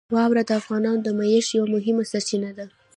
واوره د افغانانو د معیشت یوه مهمه سرچینه ده.